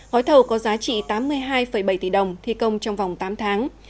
gói thầu có giá trị tám mươi hai bảy tỷ đồng thi công trong vòng tám tháng